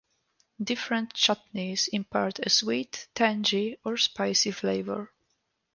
Different chutneys impart a sweet, tangy or spicy flavour.